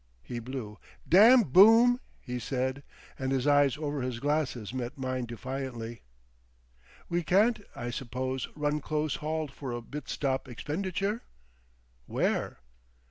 He blew. "Damn Boom!" he said, and his eyes over his glasses met mine defiantly. "We can't, I suppose, run close hauled for a bitstop expenditure?" "Where?"